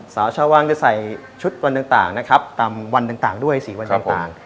ชาววังจะใส่ชุดวันต่างนะครับตามวันต่างด้วย๔วันต่าง